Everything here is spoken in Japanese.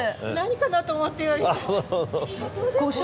何かな？と思って今。